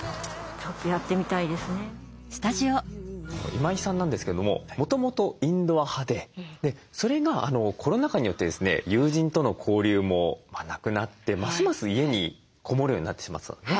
今井さんなんですけれどももともとインドア派でそれがコロナ禍によってですね友人との交流もなくなってますます家にこもるようになってしまってたんですね。